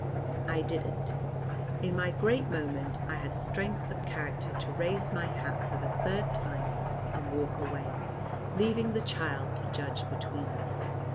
I didn't. In my great moment I had strength of character to raise my hat for the third time and walk away, leaving the child to judge between us.